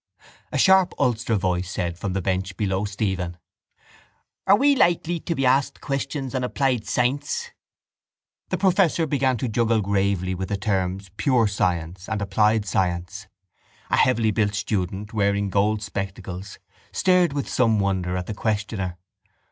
A sharp Ulster voice said from the bench below Stephen: —Are we likely to be asked questions on applied science? The professor began to juggle gravely with the terms pure science and applied science. A heavybuilt student, wearing gold spectacles, stared with some wonder at the questioner.